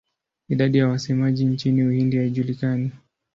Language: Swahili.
Idadi ya wasemaji nchini Uhindi haijulikani.